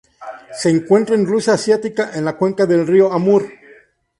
Se encuentra en Rusia asiática en la cuenca del Río Amur.